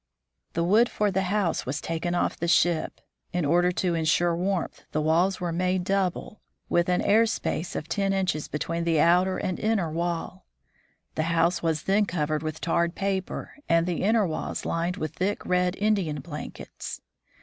The wood for the house was taken off the ship. In order to insure warmth, the walls were made double, with PEARY CROSSES GREENLAND 135 an air space of ten inches between the outer and inner wall. The house was then covered with tarred paper, and the inner walls lined with thick, red, Indian blankets.